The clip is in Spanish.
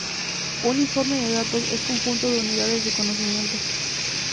Un informe de datos es un conjunto de unidades de conocimiento.